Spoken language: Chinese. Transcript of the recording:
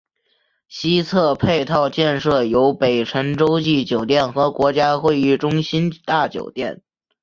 西侧配套建设有北辰洲际酒店和国家会议中心大酒店。